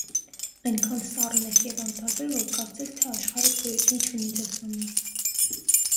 այնքան սառն եք և անտարբեր, որ կարծես թե աշխարհս գոյություն չունի ձեզ համար: